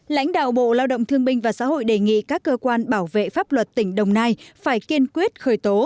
lãnh đạo bộ lao động thương binh và xã hội đề nghị các cơ quan bảo vệ pháp luật tỉnh đồng nai phải kiên quyết khởi tố